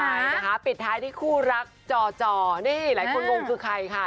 ใช่นะคะปิดท้ายที่คู่รักจอจอนี่หลายคนงงคือใครค่ะ